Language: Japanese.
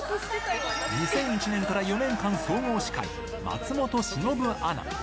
２００１年から４年間、総合司会、松本志のぶアナ。